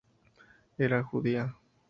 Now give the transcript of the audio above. Era judía.